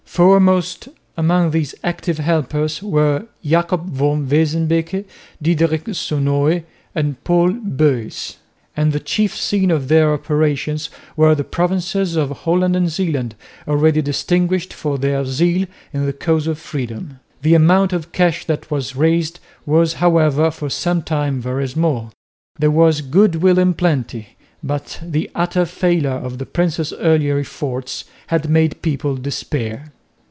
Foremost among these active helpers were Jacob van Wesenbeke, Diedrich Sonoy and Paul Buys; and the chief scene of their operations were the provinces of Holland and Zeeland, already distinguished for their zeal in the cause of freedom. The amount of cash that was raised was, however, for some time very small. There was goodwill in plenty, but the utter failure of the prince's earlier efforts had made people despair.